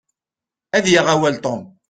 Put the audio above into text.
Ad yaɣ awal Tom.